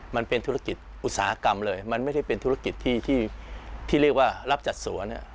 มันเป็นธุรกิจอุตสาหกรรมเลยมันไม่ได้เป็นธุรกิจที่เรียกว่ารับจัดสวน